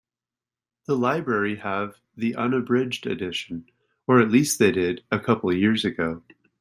The library have the unabridged edition, or at least they did a couple of years ago.